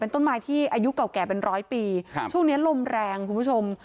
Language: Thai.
ต้นไม้ที่อายุเก่าแก่เป็นร้อยปีครับช่วงนี้ลมแรงคุณผู้ชม